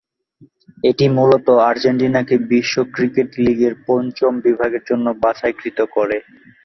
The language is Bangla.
এটি মূলত আর্জেন্টিনাকে বিশ্ব ক্রিকেট লীগ এর পঞ্চম বিভাগের জন্য বাছাইকৃত করে।